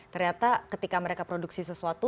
ternyata ketika mereka produksi sesuatu